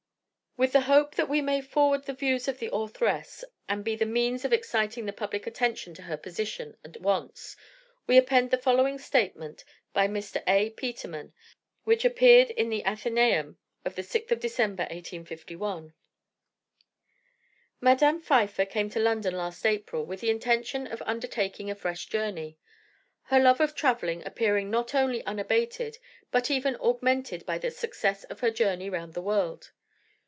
With the hope that we may forward the views of the authoress, and be the means of exciting the public attention to her position and wants, we append the following statement by Mr. A. Petermann, which appeared in the Athenaeum of the 6th of December, 1851: "Madame Pfeiffer came to London last April, with the intention of undertaking a fresh journey; her love of travelling appearing not only unabated, but even augmented by the success of her journey round the world.